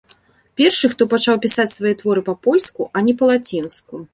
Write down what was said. Першы, хто пачаў пісаць свае творы па-польску, а не па-лацінску.